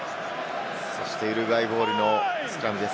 ウルグアイボールのスクラムです。